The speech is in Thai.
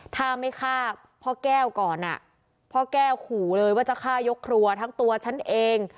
ถ้าไม่ฆ่าพ่อแก้วก่อนพ่อแก้วขู่เลยว่าจะฆ่ายกครัวทั้งตัวฉันเอง